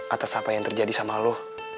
atas apa yang terjadi sama lo